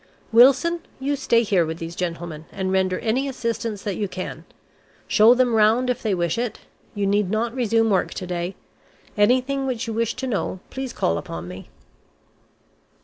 Wilson, you stay here with these gentlemen, and render any assistance that you can. Show them round if they wish it. You need not resume work to day. Anything which you wish to know, please call upon me."